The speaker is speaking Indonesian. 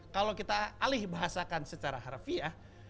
kalau kita alih bahasakan secara harfiah